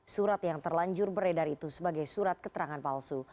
surat yang terlanjur beredar itu sebagai surat keterangan palsu